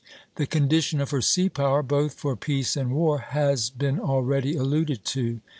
The condition of her sea power, both for peace and war, has been already alluded to.